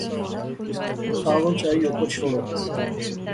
کتاواں چائی اوپر شوڑو